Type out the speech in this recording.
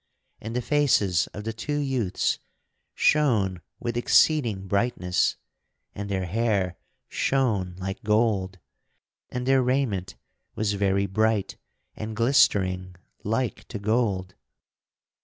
And the faces of the two youths shone with exceeding brightness, and their hair shone like gold, and their raiment was very bright and glistering like to gold.